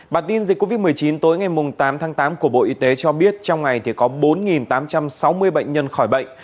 bản tin dịch covid một mươi chín tối ngày tám tháng tám của bộ y tế cho biết trong ngày có bốn tám trăm sáu mươi bệnh nhân khỏi bệnh